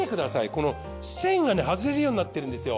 この栓がね外れるようになってるんですよ。